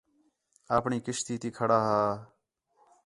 اپݨی کشتی تی کھڑا ہا